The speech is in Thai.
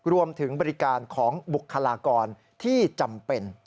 รวมถึงบริการของบุคลากรที่จำเป็น